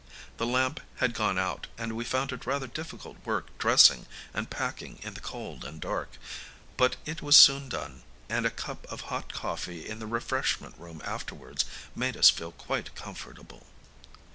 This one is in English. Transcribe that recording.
The lamp had gone out, and we found it rather difficult work dressing and packing in the cold and dark; but it was soon done, and a cup of hot coffee in the refreshment room afterwards made us feel quite comfortable.